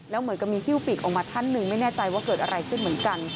แล้วเหมือนกับมีฮิ้วปีกออกมาท่านหนึ่งไม่แน่ใจว่าเกิดอะไรขึ้นเหมือนกัน